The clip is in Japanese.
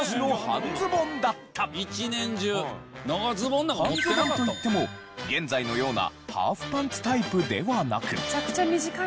半ズボンといっても現在のようなハーフパンツタイプではなく。